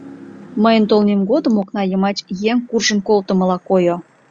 Мыйын толмем годым окна йымач еҥ куржын колтымыла койо.